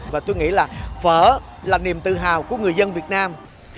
và tôi nghĩ là phở là niềm tự hào của người dân việt nam